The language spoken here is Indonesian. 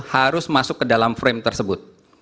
harus masuk ke dalam frame tersebut